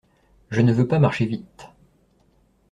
Je ne veux pas marcher vite.